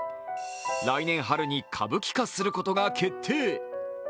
来年春に歌舞伎化することが決定。